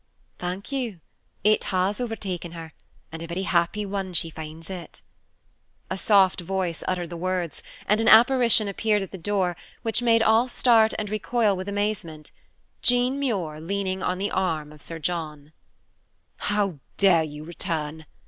"Thank you, it has overtaken her, and a very happy one she finds it." A soft voice uttered the words, and an apparition appeared at the door, which made all start and recoil with amazement Jean Muir leaning on the arm of Sir John. "How dare you return?"